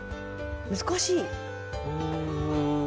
難しい。